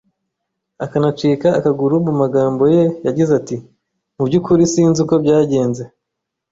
akanacika akaguru mu magambo ye yagize ati” mu byukuri sinzi uko byagenze